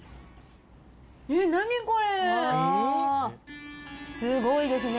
え、すごいですね。